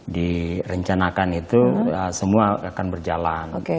direncanakan itu semua akan berjalan